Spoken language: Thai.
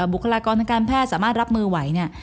บุคลากรทางการแพทย์สามารถรับมือไหวเนี่ย